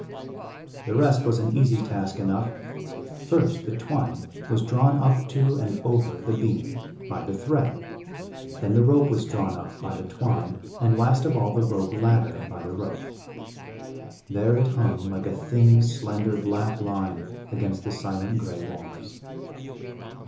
The rest was an easy task enough. First the twine was drawn up to and over the beam by the thread, then the rope was drawn up by the twine, and last of all the rope ladder by the rope. There it hung like a thin, slender black line against the silent gray walls.